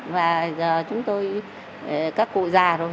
và giờ chúng tôi các cụ già rồi